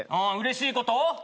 ああうれしいこと？